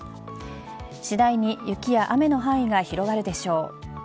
次第に、雪や雨の範囲が広がるでしょう。